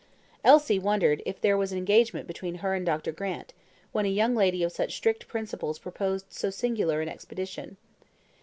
Elsie wondered if there was an engagement between her and Dr. Grant, when a young lady of such strict principles proposed so singular an expedition.